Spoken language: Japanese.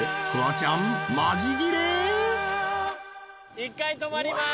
１回止まります。